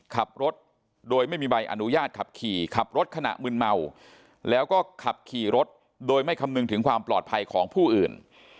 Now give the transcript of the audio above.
ขับรถโดยไม่มีใบอนุญาตขับขี่ขับรถขณะมืนเมาแล้วก็ขับขี่รถโดยไม่คำนึงถึงความปลอดภัยของผู้อื่น